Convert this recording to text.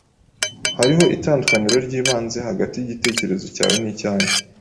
Hariho itandukaniro ryibanze hagati yigitekerezo cyawe nicyanjye.